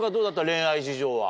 恋愛事情は。